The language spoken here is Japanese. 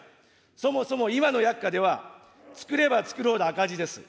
そもそも今の薬価では、作れば作るほど赤字です。